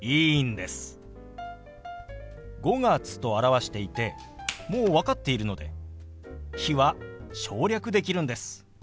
「５月」と表していてもう分かっているので「日」は省略できるんです。